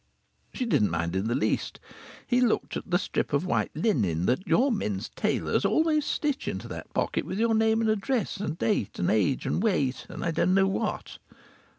She didn't mind in the least. He looked at the strip of white linen that your men's tailors always stitch into that pocket with your name and address and date, and age and weight, and I don't know what.